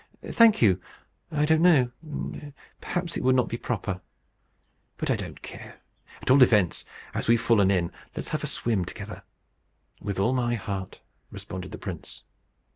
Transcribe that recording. "Thank you. I don't know. Perhaps it would not be proper. But I don't care. At all events, as we have fallen in, let us have a swim together." "With all my heart," responded the prince.